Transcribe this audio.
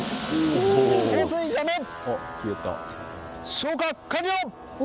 消火完了！